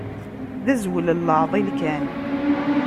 D azwel n leɛḍil kan.